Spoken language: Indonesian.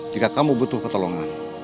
jika kamu butuh pertolongan